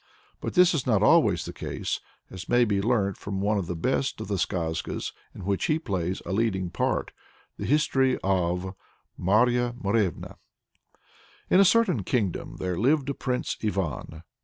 But this is not always the case, as may be learnt from one of the best of the skazkas in which he plays a leading part, the history of MARYA MOREVNA. In a certain kingdom there lived a Prince Ivan.